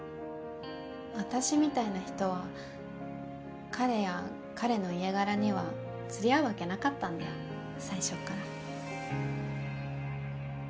私みたいな人は彼や彼の家柄には釣り合うわけなかったんだよ最初から。